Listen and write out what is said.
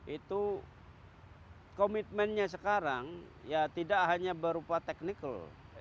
itu komitmennya sekarang ya tidak hanya berupa technical